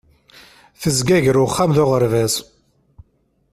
Tezga gar uxxam d uɣerbaz.